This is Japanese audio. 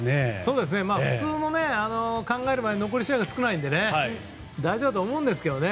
普通に考えると残り試合が少ないので大丈夫だとは思うんですけどね。